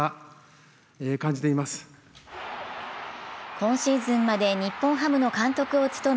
今シーズンまで日本ハムの監督を務め、